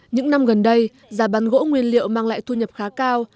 những năm gần đây giá bán gỗ nguyên liệu mang lại thu nhập khá cao